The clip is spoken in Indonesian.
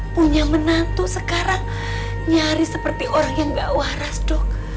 punya menantu sekarang nyaris seperti orang yang gak waras dok